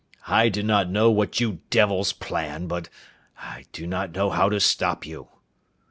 "I do not know what you devils plan, but I do not know how to stop you."